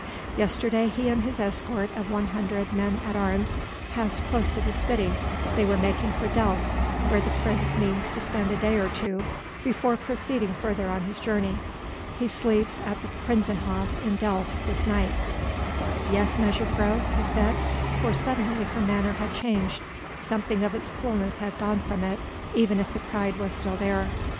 Yesterday he and his escort of one hundred men at arms passed close to this city; they were making for Delft where the Prince means to spend a day or two before proceeding further on his journey. He sleeps at the Prinzenhof in Delft this night." "Yes, mejuffrouw?" he said, for suddenly her manner had changed; something of its coolness had gone from it, even if the pride was still there.